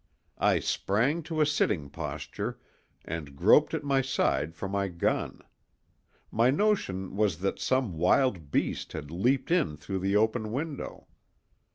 I sprang to a sitting posture and groped at my side for my gun; my notion was that some wild beast had leaped in through the open window.